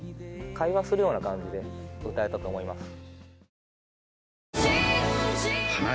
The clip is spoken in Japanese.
会話するような感じで歌えたと思います。